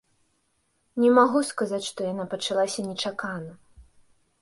Не магу сказаць, што яна пачалася нечакана.